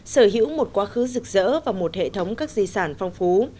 sở hữu một quá khứ rực rỡ và một hệ thống các di sản phong phú